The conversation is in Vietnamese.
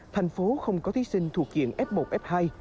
thành phố không có thí sinh thuộc diện f một f hai